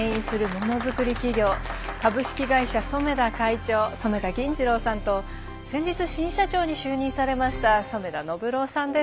モノづくり企業株式会社ＳＯＭＥＤＡ会長染田銀次郎さんと先日新社長に就任されました染田宣郎さんです。